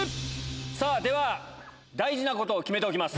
さあ、では、大事なことを決めておきます。